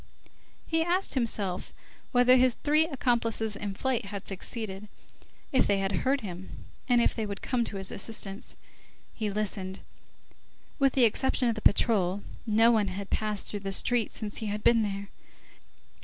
He asked himself whether his three accomplices in flight had succeeded, if they had heard him, and if they would come to his assistance. He listened. With the exception of the patrol, no one had passed through the street since he had been there.